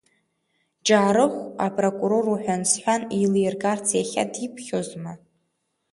Ҷаарыхә апроркурор уҳәан-сҳәан еилиргарц иахьа диԥхьозма?